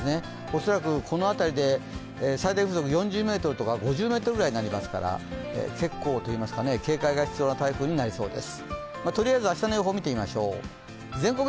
恐らくこの辺りで最大風速４０メートルとか、５０メートルぐらいになりますから、結構といいますか、警戒が必要な台風になります。